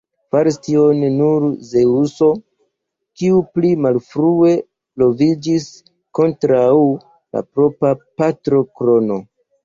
Faris tion nur Zeŭso, kiu pli malfrue leviĝis kontraŭ la propra patro Krono.